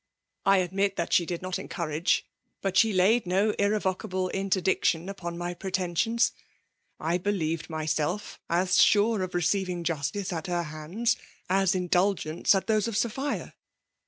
I admit that she did not en courage, but she laid no irrevocable interdict tion upon my pretensions. I believed myself as sure of receiving justice at her hands, as indulgence at those of Sophia.